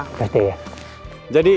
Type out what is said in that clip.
terima kasih pak